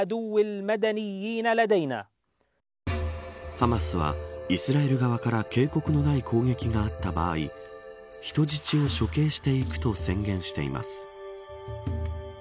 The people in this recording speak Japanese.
ハマスは、イスラエル側から警告のない攻撃があった場合人質を処刑していくと宣言しています。